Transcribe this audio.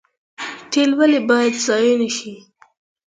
تیل ولې باید ضایع نشي؟